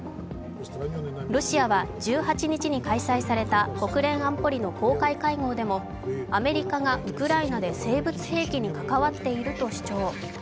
ロシアは１８日に開催された国連安保の公開会合でもアメリカがウクライナで生物兵器に関わっていると主張。